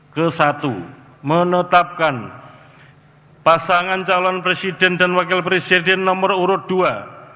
ke satu menetapkan pasangan calon presiden dan wakil presiden nomor urut dua